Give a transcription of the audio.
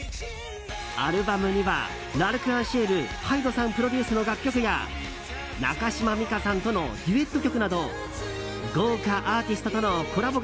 アルバムにはＬ’ＡｒｃｅｎＣｉｅｌＨＹＤＥさんプロデュースの楽曲や中島美嘉さんとのデュエット曲など豪華アーティストとのコラボ